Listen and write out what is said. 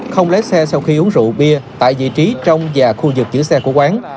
không lấy xe sau khi uống rượu bia tại vị trí trong và khu vực giữ xe của quán